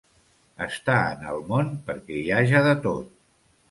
Estar en el món perquè hi haja de tot.